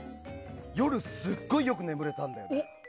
夜すごいよく眠れたんだよね。